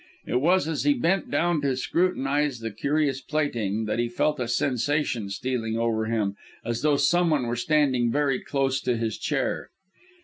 It was as he bent down to scrutinise the curious plaiting, that he felt a sensation stealing over him, as though someone were standing very close to his chair.